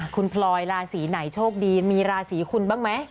คุณพลอยราศีไหนโชคดีมีราศีคุณบ้างไหม